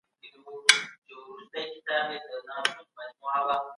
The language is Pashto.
دوی د ستونزو په حل کي مرسته کړې ده.